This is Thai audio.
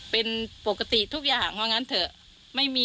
เป็นปกติทุกอย่างว่างั้นเถอะ